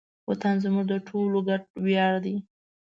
وطن زموږ د ټولو ګډ ویاړ دی.